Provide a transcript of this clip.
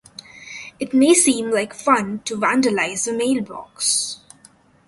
It may seem like fun to vandalize a mailbox.